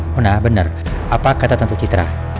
mona bener apa kata tante citra